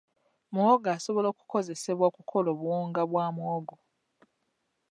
Muwogo asobola okukozesebwa okukola obuwunga bwa mawogo.